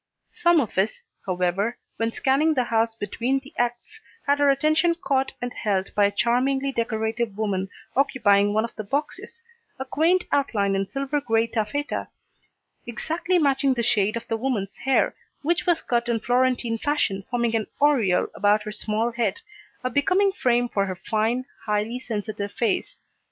Some of us, however, when scanning the house between the acts, had our attention caught and held by a charmingly decorative woman occupying one of the boxes, a quaint outline in silver grey taffeta, exactly matching the shade of the woman's hair, which was cut in Florentine fashion forming an aureole about her small head, a becoming frame for her fine, highly sensitive face.